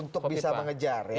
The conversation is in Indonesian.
untuk bisa mengejar ya